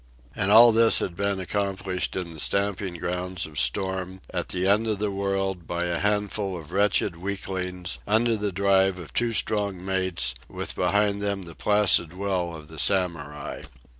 And all this had been accomplished in the stamping ground of storm, at the end of the world, by a handful of wretched weaklings, under the drive of two strong mates, with behind them the placid will of the Samurai.